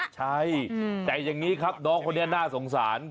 ใช่แต่อย่างนี้ครับน้องคนนี้น่าสงสาร